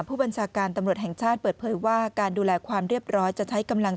ผู้บัญชาการตำรวจแห่งชาติเปิดเผยว่าการดูแลความเรียบร้อยจะใช้กำลัง